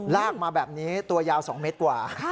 ลากมาแบบนี้ตัวยาว๒เมตรกว่า